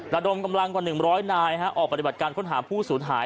ระดมกำลังกว่า๑๐๐นายออกปฏิบัติการค้นหาผู้สูญหาย